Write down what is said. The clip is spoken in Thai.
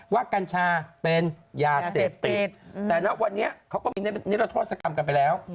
กัญชาเป็นยาเสพติดแต่ณวันนี้เขาก็มีนิรโทษกรรมกันไปแล้ว